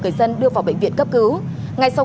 người dân đưa vào bệnh viện cấp cứu ngay sau